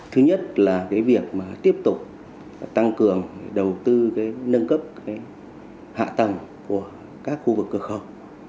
thứ nhất là cái việc mà tiếp tục tăng cường đầu tư nâng cấp hạ tầng của các khu vực cửa khẩu